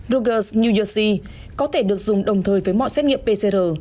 rutgers new jersey có thể được dùng đồng thời với mọi xét nghiệm pcr